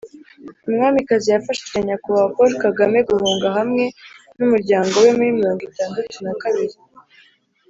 Umwamikazi yafashije Nyakubahwa Paul Kagame guhunga hamwe n’umuryango we muri mirongo itandatu na kabiri